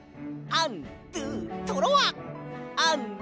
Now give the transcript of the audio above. アンドゥトロワ！